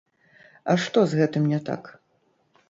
А што з гэтым не так?